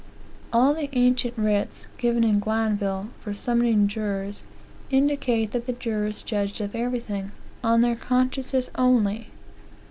All the ancient writs, given in Glanville, for summoning jurors, indicate that the jurors judged of everything, on their consciences only.